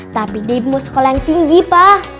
tapi debbie mau sekolah yang tinggi pak